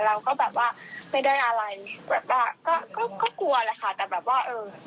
เราก็แบบว่าไม่ได้อะไรแบบว่าก็ก็กลัวแหละค่ะแต่แบบว่าเออ